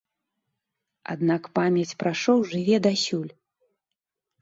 Аднак памяць пра шоў жыве дасюль.